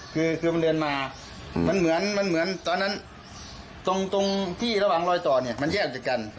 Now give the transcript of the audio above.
คือมันเดินมาตอนนั้นตรงที่ระหว่างรอยต่อมันแยกจากกัน